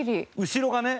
後ろがね。